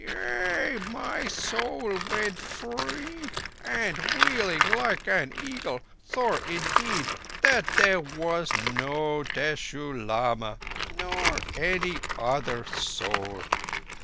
"Yea, my Soul went free, and, wheeling like an eagle, saw indeed that there was no Teshoo Lama nor any other soul.